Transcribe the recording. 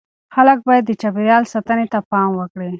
خلک باید د چاپیریال ساتنې ته پام وکړي.